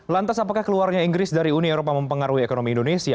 lantas apakah keluarnya inggris dari uni eropa mempengaruhi ekonomi indonesia